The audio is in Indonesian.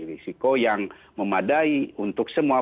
risiko yang memadai untuk semua